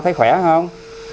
thấy khỏe không